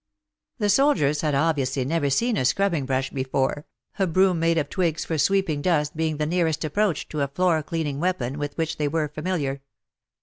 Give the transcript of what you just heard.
The soldiers had obviously never seen a scrubbing brush before — a broom made of twigs for sweeping dust being the nearest approach to a floor cleaning weapon with which they were familiar.